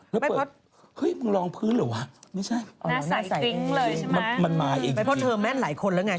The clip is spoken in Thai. แล้วเปิดฮึ้ยมึงลองพื้นเหรอวะไม่ใช่มันมาจริงจริงไม่พอเธอแม่นหลายคนแล้วไง